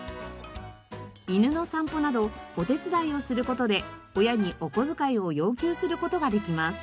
犬の散歩などお手伝いをする事で親にお小遣いを要求する事ができます。